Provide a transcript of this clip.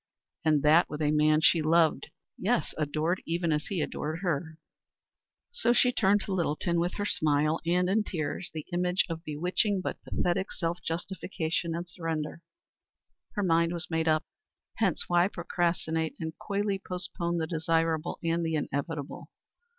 And that with a man she loved yes, adored even as he adored her. So she turned to Littleton with her smile and in tears the image of bewitching but pathetic self justification and surrender. Her mind was made up; hence why procrastinate and coyly postpone the desirable, and the inevitable?